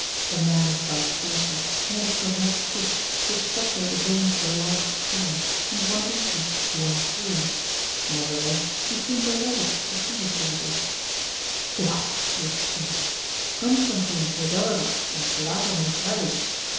A man of about forty, he had his cravat crooked, his frockcoat adorned with a large stain, and one of his boots worn through. Nevertheless he seemed delighted to see his visitors. "What?" he exclaimed. "Constantine Thedorovitch and Platon Mikhalitch?